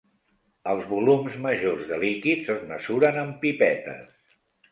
Els volums majors de líquids es mesuren amb pipetes.